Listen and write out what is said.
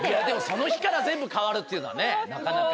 その日から全部変わるっていうのはねなかなか。